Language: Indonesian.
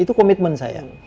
itu komitmen saya